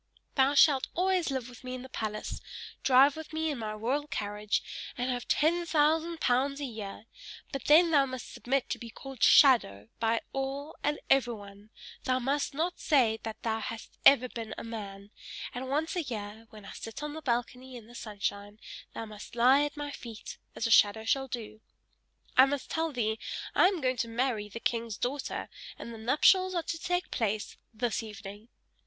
Thou shalt always live with me in the palace, drive with me in my royal carriage, and have ten thousand pounds a year; but then thou must submit to be called SHADOW by all and everyone; thou must not say that thou hast ever been a man; and once a year, when I sit on the balcony in the sunshine, thou must lie at my feet, as a shadow shall do! I must tell thee: I am going to marry the king's daughter, and the nuptials are to take place this evening!"